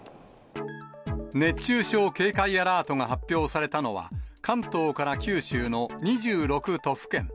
熱中症警戒アラートが発表されたのは、関東から九州の２６都府県。